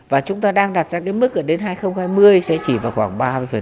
và chúng ta đang đặt ra cái mức đến hai nghìn hai mươi sẽ chỉ vào khoảng ba mươi